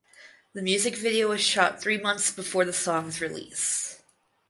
The music video was shot three months before the songs release.